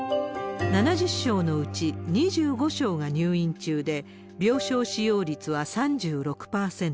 ７０床のうち２５床が入院中で、病床使用率は３６％。